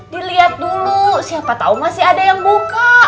diliat dulu siapa tau masih ada yang buka